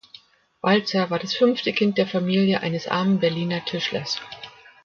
Baltzer war das fünfte Kind der Familie eines armen Berliner Tischlers.